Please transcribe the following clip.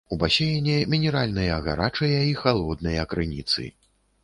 У басейне мінеральныя гарачыя і халодныя крыніцы.